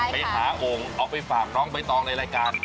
ไปหาโอ่งเอาไปฝากน้องใบตองในรายการ